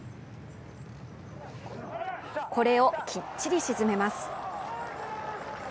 これをきっちり沈めます。